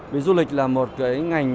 vì du lịch là một cái ngành